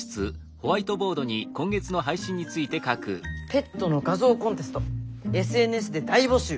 「ペットの画像コンテストＳＮＳで大募集！！」。